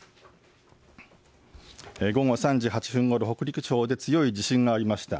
午後３時８分ごろ北陸地方で強い地震がありました。